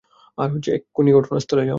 এক্ষুণি ঘটনাস্থলে যাও!